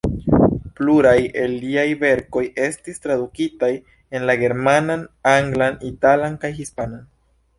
Pluraj el liaj verkoj estis tradukitaj en la germanan, anglan, italan kaj hispanan.